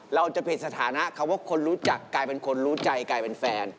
เราจะผิดสถานะคำว่าคนรู้จักกลายเป็นคนรู้ใจกลายเป็นแฟน